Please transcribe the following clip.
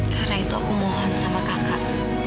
karena itu aku mohon sama kakak